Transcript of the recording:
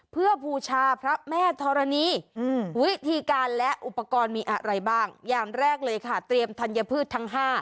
เพื่อบูชาพระแม่ธรณีวิธีการและอุปกรณ์มีอะไรบ้างอย่างแรกเลยค่ะเตรียมธัญพืชทั้ง๕